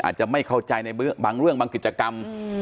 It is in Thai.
อาจจะไม่เข้าใจในบางเรื่องบางกิจกรรม